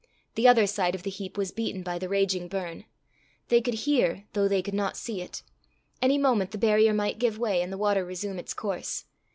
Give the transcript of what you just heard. The other side of the heap was beaten by the raging burn. They could hear, though they could not see it. Any moment the barrier might give way, and the water resume its course.